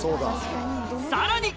さらに！